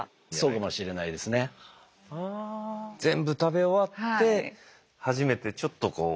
全部食べ終わって初めてちょっとこう。